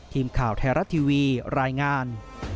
ทีมข่าวไทยรัฐทีวีรายงาน